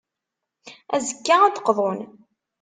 Azekka, ad d-qḍun.